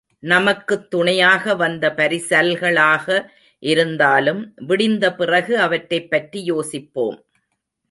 நமக்குத் துணையாக வந்த பரிசல்களாக இருந்தாலும் விடிந்த பிறகு அவற்றைப் பற்றி யோசிப்போம்.